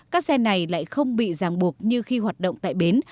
các xe này lại không bị ràng buộc như khi hoạt động tại bến